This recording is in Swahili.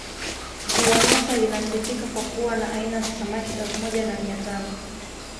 ziwa nyasa linasifika kwa kuwa na aina za samaki elfu moja na mia tano